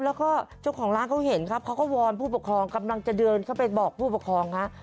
แล้วก็เจ้าของร้านเขาเห็นครับเขาก็วอนผู้ปกครองกำลังจะเดินเข้าไปบอกผู้ปกครองฮะ